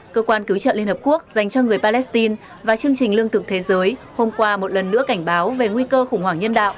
cơ quan cứu trợ liên hợp quốc dành cho người palestine và chương trình lương thực thế giới hôm qua một lần nữa cảnh báo về nguy cơ khủng hoảng nhân đạo